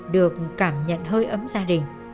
được cảm nhận hơi ấm gia đình